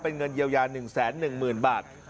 เป็นเงินเยียวยา๑๑๐๐๐บาท